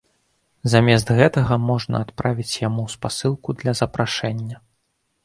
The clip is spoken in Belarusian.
Замест гэтага можна адправіць яму спасылку для запрашэння.